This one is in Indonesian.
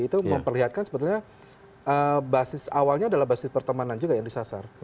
itu memperlihatkan sebetulnya basis awalnya adalah basis pertemanan juga yang disasar